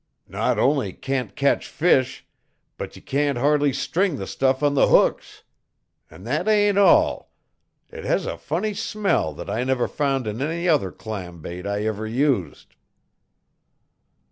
"Not only can't catch fish, but ye can't hardly string the stuff on the hooks. An' that ain't all. It has a funny smell that I never found in any other clam bait I ever used."